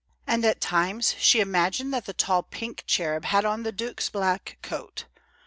And, at times, she imagined that the tall pink cherub had on the due's black coat.